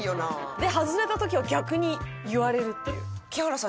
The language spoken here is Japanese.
で外れた時は逆に言われるっていう。